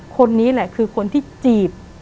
คนนี้แหละคือคนที่จีบ